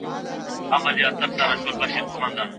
آیا د ټکنالوژۍ نوښتونه د ټولنیز رفتار په تغییر کي تاثیر لري؟